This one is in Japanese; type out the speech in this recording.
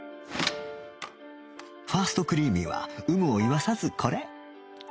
ファーストクリーミーは有無を言わさずこれ